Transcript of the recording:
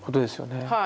はい。